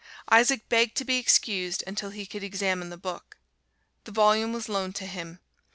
Isaac begged to be excused until he could examine the book. The volume was loaned to him.